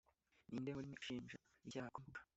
Ni nde muri mwe unshinja icyaha Ko mvuga